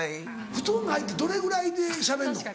布団入ってどれぐらいでしゃべんの？